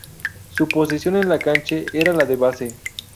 Su posición en la cancha era la de base.